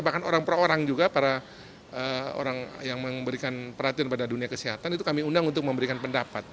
bahkan orang per orang juga para orang yang memberikan perhatian pada dunia kesehatan itu kami undang untuk memberikan pendapat